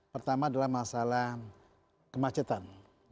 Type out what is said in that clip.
pertama adalah masalah kemacetan